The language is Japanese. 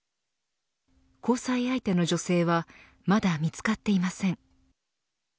交際相手の女性はまだ見つかっていません。